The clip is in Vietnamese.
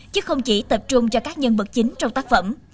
chứ không chỉ tập trung cho các nhân vật chính trong tác phẩm